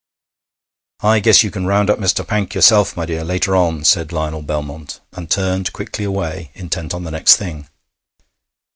'I guess you can round up Mr. Pank yourself, my dear, later on,' said Lionel Belmont, and turned quickly away, intent on the next thing.